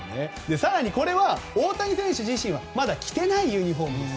更に、これは大谷選手自身はまだ着ていないユニホームです。